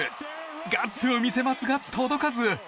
ガッツを見せますが、届かず。